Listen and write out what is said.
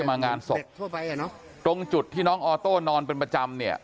มางานศพตรงจุดที่น้องออโต้นอนเป็นประจำเนี่ย